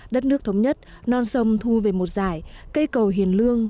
đất nước thống nhất non sông thu về một giải cây cầu hiền lương